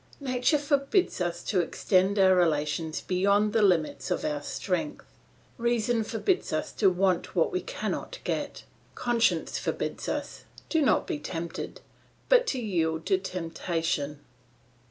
Nature forbids us to extend our relations beyond the limits of our strength; reason forbids us to want what we cannot get, conscience forbids us, not to be tempted, but to yield to temptation.